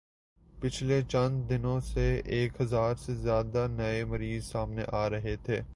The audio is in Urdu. پچھلے چند دنو ں سے ایک ہزار سے زیادہ نئے مریض سامنے آرہے تھے